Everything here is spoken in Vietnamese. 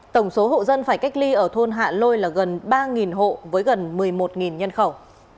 tổng số hộ dân phải cách ly ở thôn hạ lôi là gần ba hộ với gần một mươi một nhân khẩu